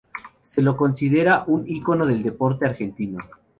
Se lo considera un icono del deporte argentino.